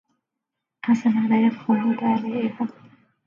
أثن على الخمر بآلائها